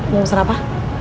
mau pesan apa